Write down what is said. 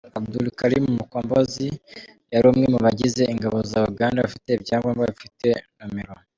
Abdul Karim Mukombozi yari umwe mu bagize ingabo za Uganda, ufite ibyangombwa bifite No.